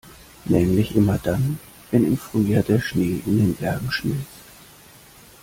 Nämlich immer dann, wenn im Frühjahr der Schnee in den Bergen schmilzt.